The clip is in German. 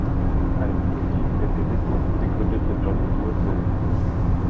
Einen "induktiven" Empirismus begründete John Stuart Mill.